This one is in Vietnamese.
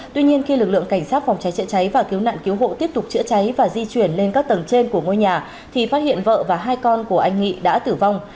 tuy nhiên khi lực lượng cảnh sát phòng cháy chữa cháy và cứu nạn cứu hộ tiếp tục chữa cháy và di chuyển lên các tầng trên của ngôi nhà thì phát hiện vợ và hai con của anh nghị đã tử vong